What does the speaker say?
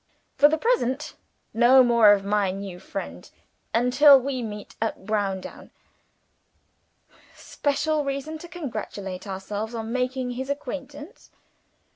For the present, no more of my new friend until we meet at Browndown.' 'Special reason to congratulate ourselves on making his acquaintance.'"